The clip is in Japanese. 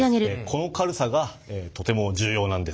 この軽さがとても重要なんです。